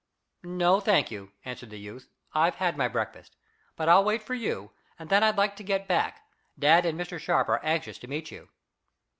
"No, thank you," answered the youth. "I've had my breakfast. But I'll wait for you, and then I'd like to get back. Dad and Mr. Sharp are anxious to meet you."